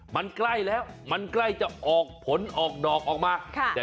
มันใกล้แล้วมันใกล้จะออกผลออกดอกออกมา